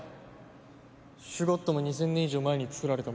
シュゴッドも２０００年以上前に作られたもんだ。